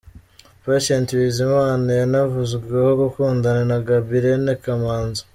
Patient Bizimana yanavuzweho gukundana na Gaby Irene Kamanzi.